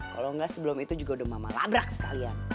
kalau enggak sebelum itu juga udah mama labrak sekalian